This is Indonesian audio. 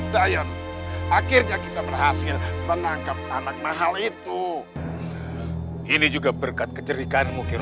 dayan akhirnya kita berhasil menangkap anak mahal itu ini juga berkat keceritaan mungkin